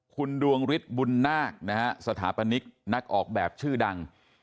คุณดวงฤทธิ์บุญนาคนะฮะสถาปนิกนักออกแบบชื่อดัง